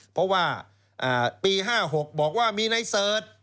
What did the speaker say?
เพราะว่าปี๕๖บอกว่ามีในเสิร์ช